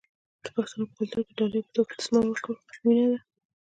د پښتنو په کلتور کې د ډالۍ په توګه دستمال ورکول مینه ده.